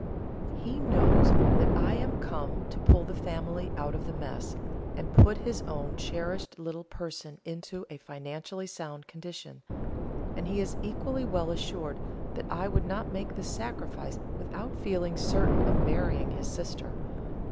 He knows that I am come to pull the family out of the mess, and put his own cherished little person into a financially sound condition; and he is equally well assured that I would not make this sacrifice without feeling certain of marrying his sister.